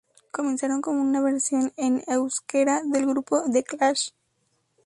Comenzaron como una versión en euskera del grupo The Clash.